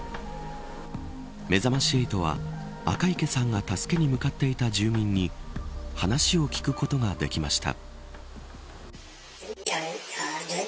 めざまし８は赤池さんが助けに向かっていた住民に話を聞くことができました。